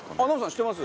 知ってます？